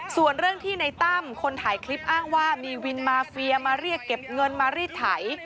ส่วนเรื่องที่ในตั้มคนถ่ายคลิปอ้างว่ามีวินมาเฟียมาเรียกเก็บเงินมารีดไถ